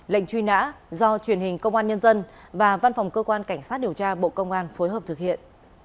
lệnh truy nã do truyền hình công an nhân dân và văn phòng cơ quan cảnh sát điều tra bộ công an phối hợp thực hiện